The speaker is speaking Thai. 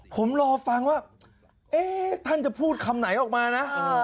ผมรอฟังว่าท่านจะพูดคำไหนออกมานะ